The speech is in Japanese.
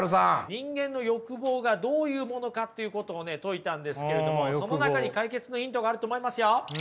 人間の欲望がどういうものかっていうことを説いたんですけれどもその中に解決のヒントがあると思いますよ。